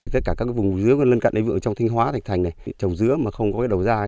tất cả các vùng dứa lân cận đáy vựa trong thanh hóa thạch thành trồng dứa mà không có đầu da